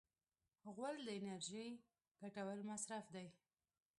غول د انرژۍ ګټور مصرف دی.